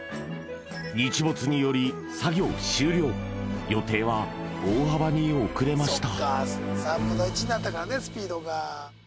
日没により作業終了予定は大幅に遅れました